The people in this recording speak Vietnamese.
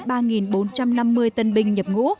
ba bốn trăm năm mươi tân binh nhập ngũ